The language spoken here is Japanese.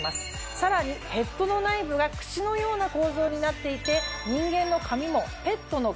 さらにヘッドの内部がクシのような構造になっていて人間の。